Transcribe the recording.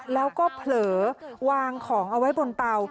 แล้วก็เผลอวางของเอาไว้บนเตา